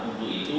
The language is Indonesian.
nah untuk itu